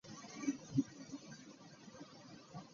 Bannange mmwe dduyiro si kwejalabya.